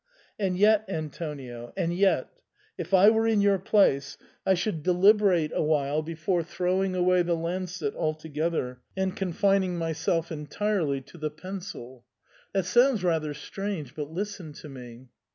And yet, Antonio, and yet, if I were in your place, I should deliberate awhile before throwing away the lancet altogether, and confining myself entirely to the pencil That sounds rather strange, but listen to me.